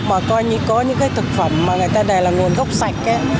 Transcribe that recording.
mà coi như có những cái thực phẩm mà người ta đè là nguồn gốc sạch ấy